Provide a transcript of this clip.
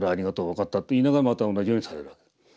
分かった」と言いながらまた同じようにされるわけだ。